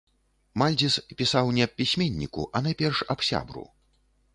Мальдзіс пісаў не аб пісьменніку, а найперш аб сябру.